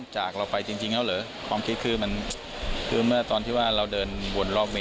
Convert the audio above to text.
จะจับได้หรือไม่ได้สำหรับผมตอนนี้มันไม่สำคัญแล้วอ่ะ